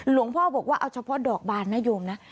หลวงพ่อบอกว่าเอาเฉพาะดอกบานนะโยมนะ